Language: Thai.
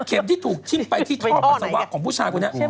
ที่ถูกทิ้มไปที่ท่อปัสสาวะของผู้ชายคนนี้